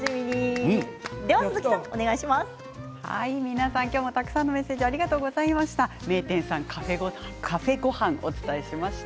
皆さん今日もたくさんのメッセージありがとうございました。